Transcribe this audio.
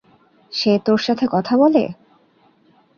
সে তোর সাথে কথা বলে?